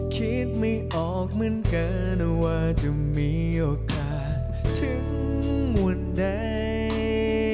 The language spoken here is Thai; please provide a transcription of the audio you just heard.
คิดไม่ออกเหมือนกันว่าจะมีโอกาสถึงวันใด